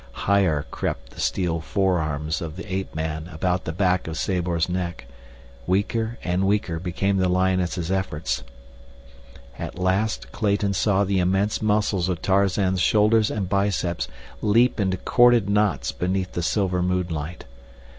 Higher crept the steel forearms of the ape man about the back of Sabor's neck. Weaker and weaker became the lioness's efforts. At last Clayton saw the immense muscles of Tarzan's shoulders and biceps leap into corded knots beneath the silver moonlight.